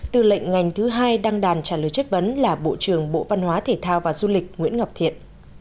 tư lệnh ngành thứ hai đăng đàn trả lời chất vấn là bộ trưởng bộ văn hóa thể thao và du lịch nguyễn ngọc thiện